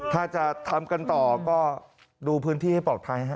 ถ้าจะทำกันต่อก็ดูพื้นที่ให้ปลอดภัยฮะ